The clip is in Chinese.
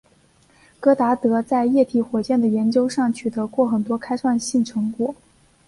戈达德在液体火箭的研究上取得过很多开创性成果。